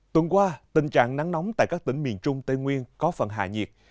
tuần qua tình trạng nắng nóng tại các tỉnh miền trung tây nguyên có phần hạ nhiệt